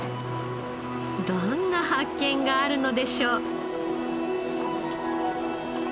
どんな発見があるのでしょう？